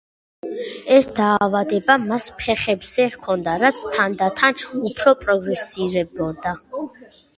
ეს დაავადება მას ფეხებზე ჰქონდა, რაც თანდათან უფრო პროგრესირებდა.